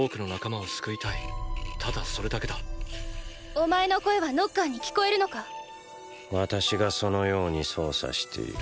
お前の声はノッカーに聞こえるのか⁉私がそのように操作している。